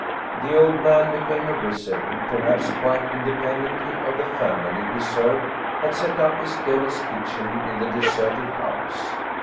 The old man became a wizard who, perhaps quite independently of the family he served, had set up his devil's kitchen in the deserted house.